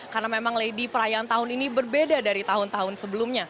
karena memang lady perayaan tahun ini berbeda dari tahun terakhir